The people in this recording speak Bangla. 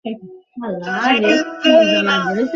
এবং চলচ্চিত্রটি এর জন্য ভোগে।